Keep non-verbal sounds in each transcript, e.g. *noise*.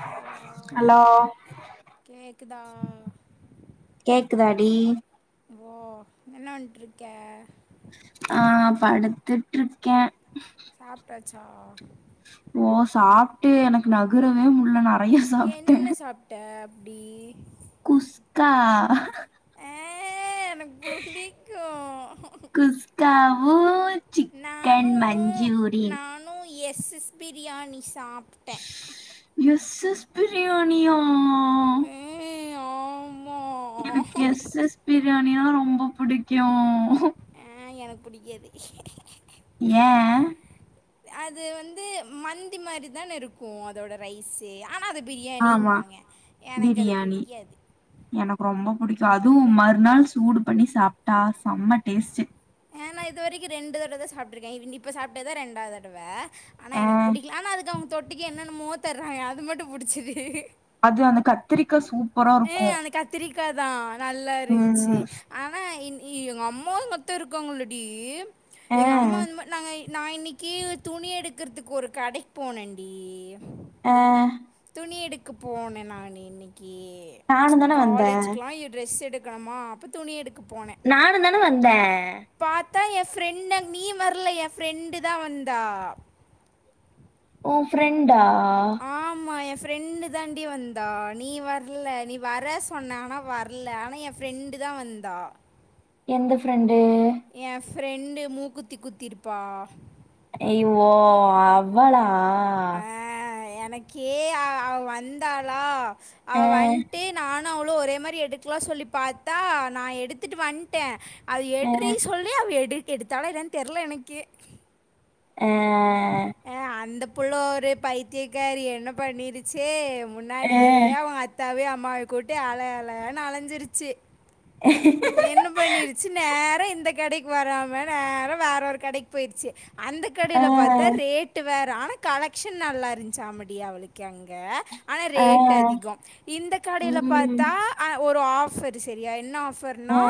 Hello hello கேக்குதா கேக்குதாடி ஓ என்ன வந்துட்ருக்கே ஆ படுத்துட்ருக்கே சாப்டாச்சா ஓ சாப்ட்டு எனக்கு நகுரவே முட்ல நா என்ன சாப்ட அப் ப்டி குஸ்கா ஏ எனக்கு புடிக்கு ஆ நானூ நானூ எஸ் ஸ் பிரியாணிஸ் எஸ் எஸ் பிரியாணியா ம் ஆம் எனக்கு எஸ் எஸ் பிரியா ணியா ரொம்ப பிடிக்கு ஆ எனக்கு புடிக்காது ஏ அது வந்து மந்தி மாரிதான இருக்கு அதோட ரைஸு ஆனா அது பிரியாணின் ஆமா வாங்கே எனக்கு அது பிரியாணி புடிக்காது கு அதுவு மறுநாள் சூடு பண்ணி சாப்ட்டா செம்ம டேஸ்டு ஏ நா இதுரைக்கு ரெண்டு தடவைதா சாப்ட்ருக்கே இப்ப சாப்ட்டதா ரெண்டாவது தடவ ஆனா ஆ எனக்கு புடிக்கல ஆனா அதுக்கு அவங் தொட்டிக்க என்னென்ன மோ தர்றாங்க அது மட்டு பிடிச்சிது அது அந்த கத்திரிக்கா சூப் பரா இருக்கு கதா நல்லா இருந்ச்சு ம் ஆனா இன் ய்யயோ எங்க அம்மா எங்கத்த இருக்காங்களடி ஆ எங்க அம்மா வந்து ம நாங்க நா இன்னைக்கி துணி எடுக்கிறதுக்கு ஒரு கடைக்கு போனன்டி ஆ துணி எடுக்கு போனே நானு இன்னைக்கு நானு தான வந்தே காலேஜுக்குலா ட்ரெஸ் எடு க்கணமா அப்ப துணி எடுக் நானுந்தான வந்தே அதா எ ஃப்ரெண்டு நீ வரல எ ஃப்ரெண்டு தா வந்தா உ ஃப்ரெண்டா ஆ ஃப்ரண்டு தாண்டி வந்தா நீ வர்ல நீ வர்ற சொன்ன ஆனா வர்ல ஆனா எ ஃப்ரெண்டு தா வந்தா எந்த ஃப்ரண்டு ஃப்ரண்டு மூக்குத்தி குத்திருப்பா ஐயோ அவ்வளா ஆ எனக்கே அ அவ வந்தாளா அவ ஆ வந்டு நான் னு அவளோ ஒரே மாரி எடுக்கலா சொல்லி பாத்தா நா எடுத்துட்டு வந்ட்டே அது ஆ எட்ரி சொல்லி அவ எடு எடுத்தாளா என்னனு தெர்ல எனக்கே ஆ ஆ அந்தப் போலோ ஒரே பைத்தியக்காரி என்ன பண்ணிருச்சு ஆ முன்னாடியே அவங்க அத்தாவே அ ம்மாவ கூட்டு அல அலான்னு அலஞ்சிருச்சு என்ன பண்ணிருச்சு நேரா இந்த கடைக் வராம நேரா வேற ஒரு கடைக்கு போயிருச்சு அந்த ஆ கடையில பாத்தா ரேட்டு வேற் ஆனா கலெக்ஷன் நல்லா இருஞ்சா அம்மெடி அவளுக்கு அங்க ஆனா ஆ ரேட் அதிகோ இந்த கடையில ம் பாத்தா ஆ ஒ ஆஃபர் செரியா என்ன ஆஃப் நா ஆ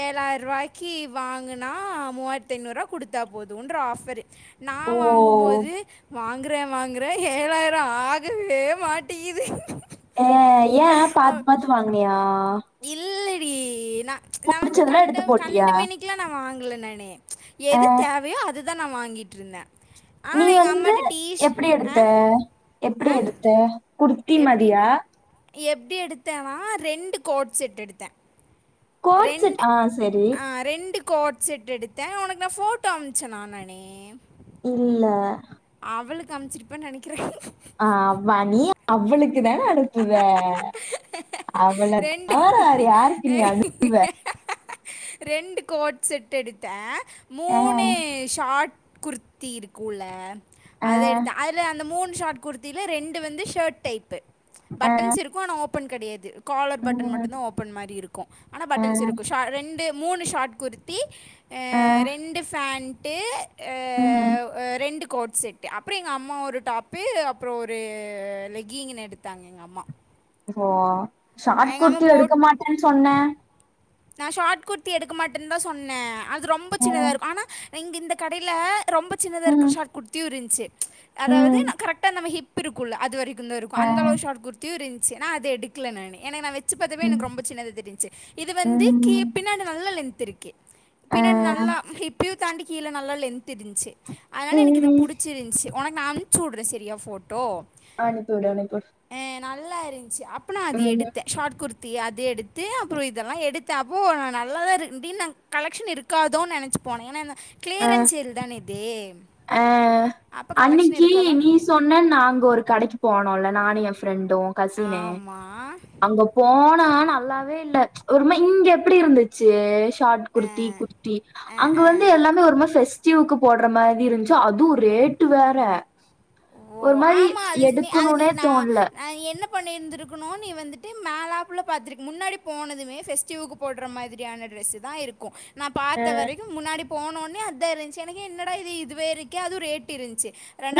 ஏழாயி ருவாய்க்கி வாங்குனா மூவாயிரத்தி ஐநூறு ரூபா குடுத்தா போதுன்ற ஆஃபரு நா ஓ வாங்கும்போது வாங்குறே வாங்குறே ஏழாயிரோ ஆகவே மாட்டிகுது ஆ ஏ பாத்து பாத்து வாங்க்னியா இல்லடி நா நா வந்து புடிச்சதெல்லா கண்ட எடுத்து போட்டியா கண்ட மேனிக்குல்லா நா வாங்குல நானு ஆ எது தேவையோ அது தா நா வாங்கிட்ருந்தே நீ வந்து எப்டி ஆ எடுத்த எப்டி ஆ எடுத்த குர் த்தி மாதியா எப்டி எடுத்தேனா ரெண்டு கோட் செட் எடுத்தே கோட்செட் ஆ சரி ரெண்டு கோட் செட் எடுத்தே உனக்கு நா ஃபோட்டோ அம்ச்சே நா நானு இல்ல அவளுக்கு அம்ச்சிருப்பே நெனைக்கிறே ஆ மா நீ அவ்வுளுக் க்கு தானே அனுப்புவே அவள ரெண்டு தவற வேற யாருக்கு நீ அனுப்புவே ரெண்டு கோட் செட் எடுத்தே ஆ, மூணு ஷாட் குர்த்தி இருக்குல ஆ, அது எடுத்த அதுல அந்த மூன்னு ஷார்ட் குர்த்தில ரெண்டு வந்து ஷர்ட் டைப்பு ஆ, பட்டன்ஸ் இருக்கு ஆனா ஓபண் கெடையாது காலர் பட்டன் ம், மட்டுந்தா ஓப்பன் மாரி இருக்கு ஆனா ஆ, பட்டன்ஸ் இருக்கு ஷ ரெண்டு மூணு ஷார்ட் குர்த்தி ஆ ரெண்டு ஃபேன் டு ஆ ம். ரெண்டு கோட் செட்டு அப்புறோ எங்க அம்மா ஒரு டாப்பு அப்புறோ ஒரு லெக்கிங்கின்னு எடுத்து தாங்க எங்கம்மா ஓ ஷார்ட் குர்த்தி போட் எடுக்க மாட்டேன்னு சொன்னே நான் ஷார்ட் குர்த்தி எடுக்க மாட்டேன்னு தா சொன்னே ஆன ரொம்ப ஆ, சின்னதா இருக்கு ஆனா நீங்க இந்த கடெய்ல ரொம்ப சின்னதா இருக்குற ம், ஷாட் குர்த்தியு இருந் சேரி ம்ச் அதாவது நா ம், கரெக்ட்டா நம்ம ஹிப் ஹிப் இருக்குள்ள அது வரைக் குந்து இருக்கு. ஆ, அந்தளவு ஷாட் குர்த்தியு இருந் சி அத எடுக்குல நானு. ஏன்னா வெச் வெச்சி பாத்தப்பவே ம், எனக்கு ரொம்ப சின்னதா தெரிஞ்ச்சி இப் வந்து கி ம், பின்னாடி நல்ல லென்த் பாத்திருக்கே ஆ, பின்னாடி நல்லா ஹிப்யூ தாண்டி கீழ நல்லா லென்த் தெரிஞ்சிச்சு அதனால எனக்கு இது ம். புடிச்சிருந்துச்சி. உனக்கு நா அனுப் ச்சூட்றே செரியா ஃபோ அனுப்பி விடு, அனுப்பி விடு நல்லா இருந்த்ச்சி அப் ப நா அது எடுத்தே. ஷாட் குர்த் தி அது எடுத்து அப்றொ இது தெல்லா எடுத்தே அப்போ நா நல்லாதா இரு இதீன் நாங் கலெக்ஷன் இருக்காதோன் நெனைச்சி போனே. ஏன்னா என்ன ஆ, க்ளியரன்ஸ் சேல் தான இது ஆ அப்போ கலெக்ஷன் அன்னக்கி இருக்காதோன்னு நீ சொன்னன் நாங்கொரு கடக்கி போனோ நானு என் ஃப்ரெண் டோ கசினு ஆமாம் அங்க போனா நல்லாவே இல்ல ச்ச் ஒருமார் இங்கெப்பிடி இருந்தூச்சி? டாட் ஆ குருத்தி குர்த்தி. ஆ அங்க வந்து ஆ எல்லாமே ஒரு மார் பெஸ்டிவ்க்கு போர்ட்ற மா ரி இருந்ச்சா அதுவு ரேட்டு வேற ஓ ஒரு மாரி ஆமாம் எடுக்கணுனே தோண்ல பண்ணிருந்திருக்குணு நீ வந்துட்டு மேலாப்புல பாத்திருக் முன்னாடி போனதுமே பெஸ்டிவ்க்கு போட்ற மாதிரியான டிரெஸு தா இருக்கோ நா பாத்த அஹ் வரைக்கு முன்னாடி போன ஒன்னே அதா இருந்ச்சி எனக்கு என்னடா இது இதுவே இருக்கே. அதுவு ரேட் இருந்ச்சி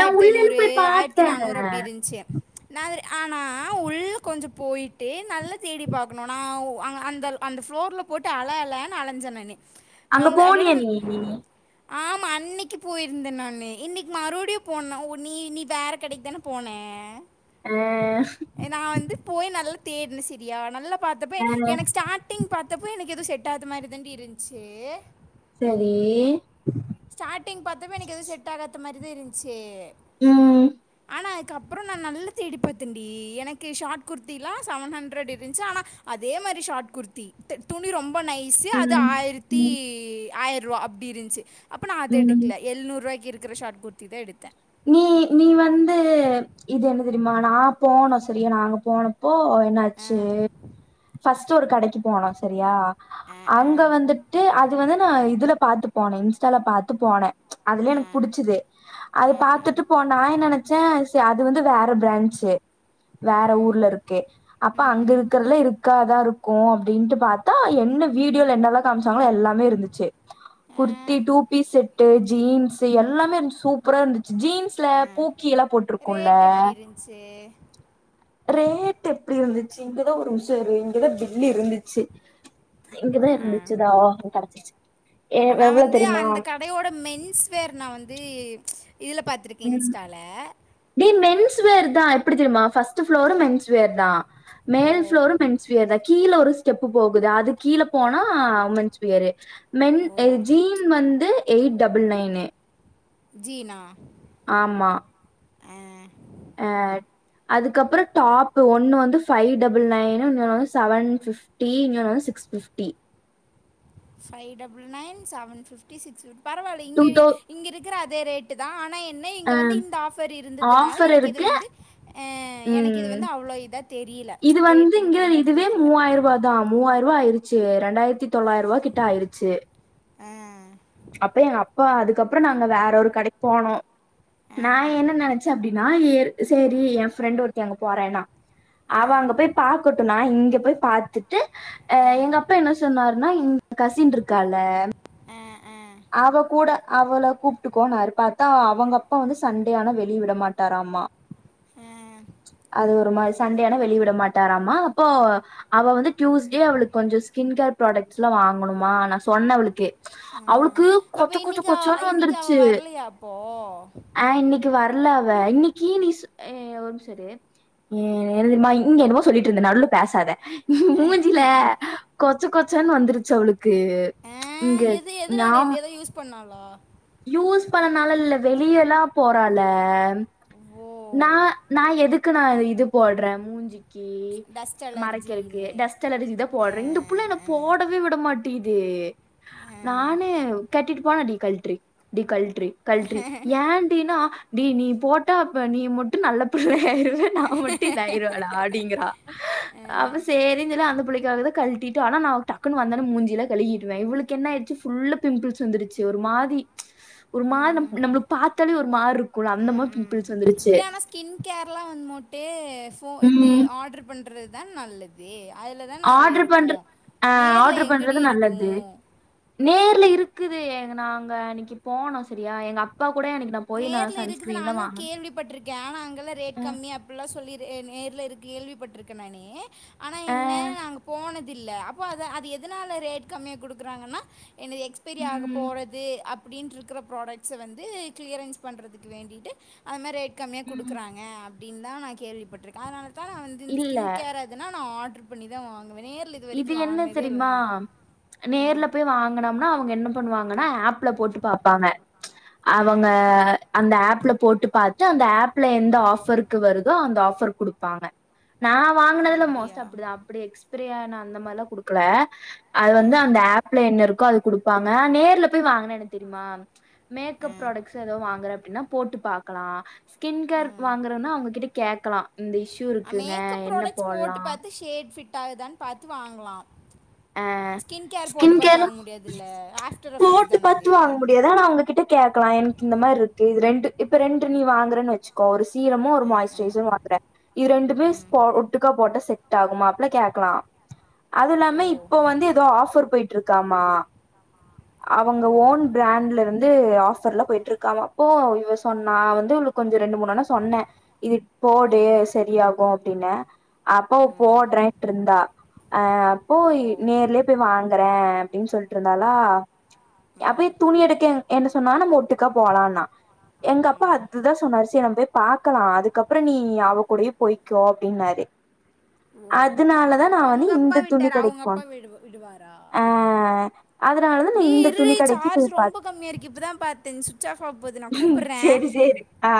நான் தி உள்ளேன்னு ஐந்நூறு, போய் ஆய்ர்த்தி பார்த்தேன் நானூறு அப்டி இருந்ச்சி ச் நா *unintelligible* ஆனா உள்ள கொஞ்சோ போயிட்டு நல்லா தேடி பாக்கணு நா உ அங்க அந்த அந்த ஃப்ளோர்ல் போட்டு அல அலன்னு அலஞ்சே நானு அங்க போனியா நீயி ஆமா அன்னிக்கி போய்ருந்தே நானு இன்னிக் மறுடியு போன உ நீ நீ வேற கடைக்தான போன ம் தேட்ண செரியா நல்லா பாத்தப்ப எனக்கு ஸ்டாடிங் பாத்தப்பு எனக் எதுவு செட் ஆத மாரி தாண்டி இருந்ச்சே செரி ஸாடிங் பாத்தப்ப எனக்கு எது செட் ஆகாத மா தி இருந்ச்சு ம் ஆனா அதுக்கப்புறோ நா நல்ல தேடி பாத்தே டி எனக்கு ஷாட் குர்த்தில்லா செவன் ஹண்ரட் இருந்ச் ஆனா அதே மாரி ஷாட் குர்த்தி த துணி ரொம் ப நைஸு அது உம் ஆய்ரித்தி உம் ஆய் ருவா அப்டி இருந்ச்சு அப்போ நா அது உம் எடுக்குல எழ்நூரூபாய்க்கு இருக் குற ஷாட் குர்தி தா எடுத்தே நீ நீ வந்து இது என்ன தெரியுமா நா போனு சரியா நாங்க போனப் போ என்னாச்சு ஃபஸ்ட்டு ஒரு கடைக்கு போனோ செரியா அங்க வந்துட்டு அ து வந்து நா இதுல பாத்துப் போனே இன்ஸ்டால பாத்து போனே அதுலா எனக்கு புடிச்சுது அது பாத்துட்டு போனா நெனச்சே சே அது வந்து வேற பிரான்ச்சு வேற ஊர்ல இருக்கு அப்ப அங்க இருக்கற்லா இருக்காதா இரு கோ அப்டின்ட்டு பாத்தா என்ன வீடியோல என்னலா காமிச்சாங்களோ எல்லாமே இருந்துச்சு kurti two piece set jeans எல்லாமே இருந்ச் சூப் ப்ரா இருந்து சு ஜீன்ஸ்ல பூக்கி எல்லா போட்ருக்கோல்ல ரேட் எப்படி இருந்துச்சு ரேட் எப்டி இருந்துச்சு இங்கதா ஒரு நிம்ஷோ இரு இங்கதா பில்லு இருந்துச்சு இங்கதா அ இருந்துச்சுதா கெடச்சிருச்சு ஏ நா எவ்ளோ வந்து தெரியுமா அந்த கடையோட மென்ஸ் வேர் நா வந்து இதுல பாத்துருக்கே ம் இன்ஸ்டால டே மென்ஸ் வேர்தா எப்டி தெரியுமா ஃபஸ்ட்டு ஃபளோரு மென்ஸ் வேர் தா ஓ மேல் ஃப்ளோரு மென்ஸ்வியர் தா கீழ ஒரு ஸ்டெப்பு போகுது அது கீழே போனா உமென்ஸ் வேரு மென் ஓ அ ஜீன் வந்து எயிட் டபுள் நைனு ஜீனா ஆ அ அதுக்கப்பறோ டாப் ஒன்னு வந்து ஃபை டபுள் நைன் இன்னொன்னு வந்து சவன் ஃபிஃப்டி இன்னொன்னு வந்து six fifty five double nine seven fifty six fifty பரவால்ல டூ இங்கெழி தௌ இங்கருக்குற அ இதே ரேட்டு தா ஆனா எ ன்ன இங்க ஆ வந்து இந்த ஆஃபர் இருந்ததுனால ஆஃபர் எனக்கு இது இருக்கு வந்து அ எனக்கு இது ம் வந்து அவ்ளோ இதா தெ இது வந்து இங்க இதுவே மூவாயிரூவாதா மூவாயிருவா ஆயிரு ச்சு ரெண்டாயிரத்தி தொள்ளாயிருவா கிட்ட ஆயிருச்சு ஆ அப்போ அப்பா அதுக்கப்புறோ நாங்க வேற ஒரு கடைக் போனோ நா ஆ என்ன நெனச்சே அப்டின்னா எரு சரி எ ஃப்ரெண்ட் ஒருத்தி அங்க போறேன்னா அவ அங்க போய் பாக்கட்டு நா இங்க போய் பாத்துட் டு அ எங்க அப்பா என்ன சொன்னாருனா இங் கசின்ருக்கால ஆ ஆ அவள கூப்டுக்கோனாரு பாத்தா அவங்க அப்பா வந்து சண்டே ஆனா வெளிய விட மாட்டாராமா ஆ அது ஒரு மாரி சண்டேஆனா வெளிய விட மாட்டாராமா அப்போ அவ வந்து டியூஸ்டே அவளுக்கு கொஞ்சோ ஸ்கின் கேர் ப்ராடக்ட்ஸ்ல்லா வாங்கணுமா நா சொன்னே அவளுக்கு ஆ அவளுக்கு அப்போ கொச்ச கொச்ச இன்னைக்கு அவ- கொச்சன்னு இன்னைக்கு வந்துருச்சு அவள் வரலையா அப்போ அ இன்னைக் வரலஅவ இன்னைக்கி நீ ஒரு நிமிஷோ இரு இங்க என்னமோ சொல்லிட்டுருந்த நடுல பேசாத மூஞ்சில கொத் கொச்ச கொச்சனு வந்துருச்சு அவளுக் க்கு இங்க துனால எதோ யூஸ் ப பண்ணாளா யூஸ் பண்ணனால இல்ல வெளியெல்லா போறால ஓ நா நா எதுக் க்கு நா இது போட்றே மூஞ்சி கி டஸ்ட் மறைக்கருக்கு அலர்ஜின்னு டஸ்ட் அலர்ஜி தா ஆ போடுறே இந்த புள்ள என்ன ஆ போடவே விட மாட் குது ஆ நானு கட்டிட்டு போனா டிகலட்ரி டிகல்ட் கல்ட்ரி கல்ட்ரி ஏன்டினா டி நீ போட்டா ப்ப நீ மட்டும் நல்ல பிள்ளயாரு நா மட்டு இதயிரலா அப்டிங்கறா அப்ப சேரினு சொல்லி அந்த பிள்ளக்காகதா கல்ட்டிட் ஆனா நா டக்குன்னு வந்தோனே மூஞ்சிலா கழுகிடுவே இவளுக்கு என்ன ஆயிர்ச்சு ஃபுல்லா பிம்பிள்ஸ் வந்துருச்சு ஒரு மாதி ஒரு மாரி நம் நம்மளுக்கு பார்த்தாலே ஒரு மாரி இருக்கும்ல அந்த மாதிரி ஏ ஆனா ஸ்கின் கேர் எலாம் வந்து முட்டு இது ம் ஆர்டர் பண்றது தான் நல்லது அதில் தான் நிறைய ஆர்டர் பண்ற இருக்கும் ஆஹ் நேரில் ஆர்டர் பண்றது எங்கடி நல்லது இருக்கும் நேர்ல இரு இருக்குது நாங்க அன்னைக்கு போனம் சரியா எங்க அப்பாக்கு நேர்ல இருக்குது நானும் கேள்விப்பட்டிருக்கேன் ஆனா அங்கெல்லாம் ரேட் கம்மி அப்படில்லாம் சொல்லி நேர்ல இருக்கு கேள்விப்பட்டிருக்கேன் நானே ஆனா ஆ என்ன நாங்க போனது இல்ல அப்போ அத அது எதனால ரேட் கம்மியா குடுக்குறாங்கன்னா என்னது எக்ஸ்பீரி ஆக ம் போகிறது அப் அப்படின்னு இருக்கிற ப்ராடக்ட்ஸ வந்து கிளியரன்ஸ் பண்றதுக்கு வேண்டிட்டு அது மாதிரி ரே கம்மியா ம் கொடுக்குறாங்க இதான் நான் கேள்விப்பட்டிருக்கேன் அதனால் நான் வந்து இந்த இல்ல ஸ்கின் கேர் அதுனா நான் ஆர்டர் புஸ் பண்ணி தான் வாங்க இது என்ன தெரியுமா அ நேர்ல போய் வாங்கனம்னா அவங்க என்ன பண்ணுவாங்கன்னா ஆப் ல போட்டு பாப்பாங்க அ அவங்க அந்த ஆப் ஆப்ல போட்டு பாத்து அந்த ஆப்ல எந்த ஆஃபருக்கு வருதோ அந்த ஆஃபர் கொடுப்பாங்க நான் வாங்கினதுல மோஸ்ட் அப்டியா அப்படிதான் அப்படி எக் *unintelligible* நான் அந்த மாதிரிலாம் குடுக்கல அது அ வந்து அந்த ஆப்ல என்ன இருக்கோ அது குடுப்பாங்க நேர்ல போய் வாங்கினேன்னு தெரியுமா மேக்கப் அ புராடக்ட்ஸ் எதோ வாங்குற அப்படின்னா போட்டு பார்க்க பாக்கலாம் ஸ்கின் கேர் வாங்குறன்னா அவங்ககிட்ட கேக்கலாம் இந்த இஷ்யூ இருக்குங்க என்ன போடலாம் ட்டாகு தன் பாத்து வாங்லா அ ஸ்கின் பார்த்து கேர் வாங்க முடியாதுல்ல ஆஃப்டர் எஃபெக்ட்ஸ் போட்டு தானே பாத்து அது வாங்க முடியாது ஆனா அவங்ககிட்ட கேக்லா எனக்கு இந்த மார்ருக்கு இது ரெண்டு இப்ப ரெண்டு நீ வாங்குறன் வெச்க்கோ ஒரு சீரமு ஒரு ஆ ஆ மாய்ஸ்ட்சுரேசரு வாங்கற இது ரெண்டுமே ம். ஒட்டுக்கா போட்டா செட் ஆகுமா அப்பலா கேக்கலா அது ஓ இல்லாமே போ வந்து எதோ ஆஃபர் போய்ட்ருக்காமா அவங்க ஓ ஓன் பிராண்ட்ல இருந்து ஆஃபர்ல போயிட்டிருக்காமா போ இவ சொன்னா வந்து இவளுக்கு கொஞ்சோ ரெண்டு மூணு எடோ சொன்னே இது போடு ம் சரியாகு அப்டின்ன அப்போ ம் போடுறேட்ருந்தா அ ஓ போயி நேர்லயே போய் வாங்குறே அப்டின் சொல்லிட்ருந்தாலா நா ம் போயி துணி எடுக்க எண்ட சொன்னா நம்ம ஒட்டுக்கா போலானா எங்க அப்பா அதுதா சொன்னாரு சே நா போ பாக்கலா அதுக்கப்புற நீ அவ கூடையே போய்க்கோ அப்டின்னாரு ஓ அதுனாலதா நா வந்து இந்த துணி கடைக் பா விடு விடுவாரா அதனாலதா நா டி இந்த இரு துணி டி கடைக்கு சார்ஜ் போய் ரொம்ப பாத்தே கம்மியா இருக்கு இப்பதா பாத்தே *unintelligible* சுட்ச் ஆஃப் ஆவா போது நா கூப்புட்றே சேரி சேரி ஆ